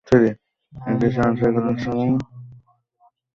এদিকে মাছটি নড়াচড়া করতে করতে সাগরে নেমে গেল।